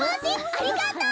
ありがとう！